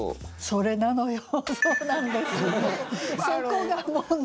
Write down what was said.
それなのよ！